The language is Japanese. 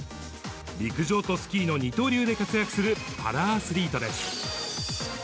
陸上とスキーの二刀流で活躍するパラアスリートです。